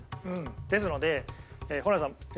ですのでホランさん